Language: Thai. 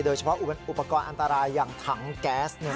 โดยเฉพาะอุปกรณ์อันตรายอย่างถังแก๊ส